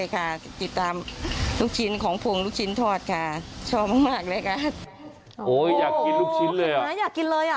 อยากกินลูกชิ้นเลยอยากกินเลย